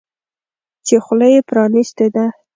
چې خوله یې پرانیستې ده.